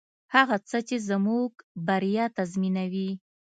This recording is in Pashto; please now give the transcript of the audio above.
هغه څه چې زموږ بریا تضمینوي.